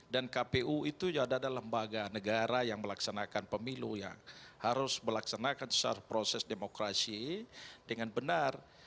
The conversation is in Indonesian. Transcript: dan kpu itu adalah lembaga negara yang melaksanakan pemilu yang harus melaksanakan proses demokrasi dengan benar